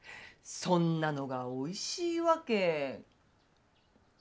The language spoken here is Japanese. そんなのがおいしいわけ。